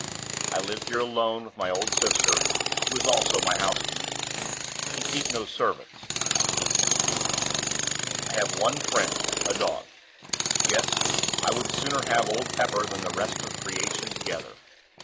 I live here alone with my old sister, who is also my housekeeper. We keep no servants I hate them. I have one friend, a dog; yes, I would sooner have old Pepper than the rest of Creation together.